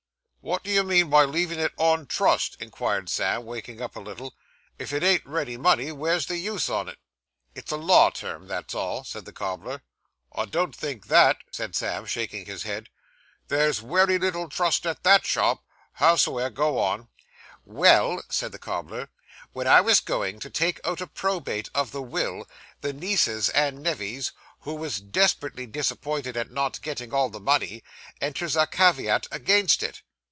'Wot do you mean by leavin' it on trust?' inquired Sam, waking up a little. 'If it ain't ready money, were's the use on it?' 'It's a law term, that's all,' said the cobbler. 'I don't think that,' said Sam, shaking his head. 'There's wery little trust at that shop. Hows'ever, go on.' Well,' said the cobbler, 'when I was going to take out a probate of the will, the nieces and nevys, who was desperately disappointed at not getting all the money, enters a caveat against it.